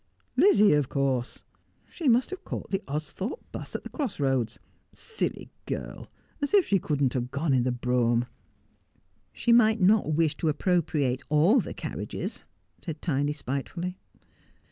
'Lizzie, of course. She mast have caught the Austhorpe 'bus at the cross roads. Silly girl ! as if she could not have gone in the brougham.' ' She might not wish to appropriate all the carriages,' said Tiny spitefully.